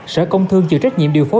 sở công thương chịu trách nhiệm điều phố